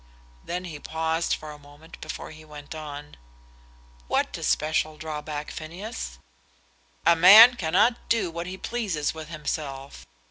Then he paused for a moment before he went on. "What especial drawback, Phineas?" "A man cannot do what he pleases with himself.